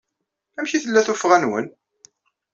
Amek ay d-tella tuffɣa-nwen?